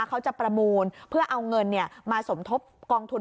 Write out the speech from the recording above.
เขาจะประมูลเพื่อเอาเงินมาสมทบกองทุน